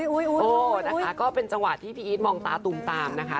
โอ้นะคะก็เป็นจังหวะที่พี่อีทมองตาตูมตามนะคะ